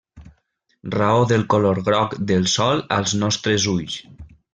Raó del color groc del Sol als nostres ulls.